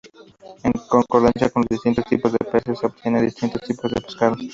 En concordancia con los distintos tipos de peces, se obtienen distintos tipos de pescado.